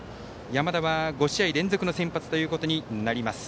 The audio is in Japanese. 山田は５試合連続の先発となります。